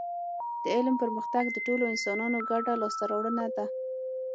د علم پرمختګ د ټولو انسانانو ګډه لاسته راوړنه ده